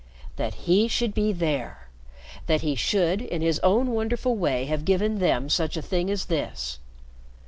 That he should be there! That he should, in his own wonderful way, have given them such a thing as this.